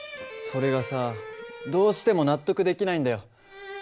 それがさどうしても納得できないんだよ。